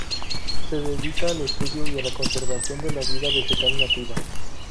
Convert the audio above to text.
Se dedica al estudio y a la conservación de la vida vegetal nativa.